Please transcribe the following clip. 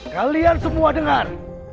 kalian semua dengar